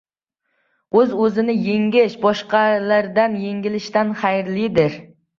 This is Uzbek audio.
• O‘z-o‘zini yengish boshqalardan yengilishdan xayrlidir.